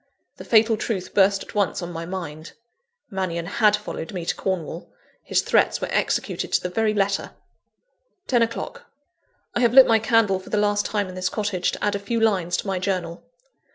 The fatal truth burst at once on my mind. Mannion had followed me to Cornwall: his threats were executed to the very letter! (10 o'clock.) I have lit my candle for the last time in this cottage, to add a few lines to my journal.